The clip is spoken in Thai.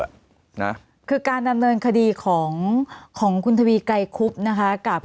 นะคือการดำเนินคดีของของคุณทวีไกรคุบนะคะกับ